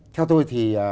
theo tôi thì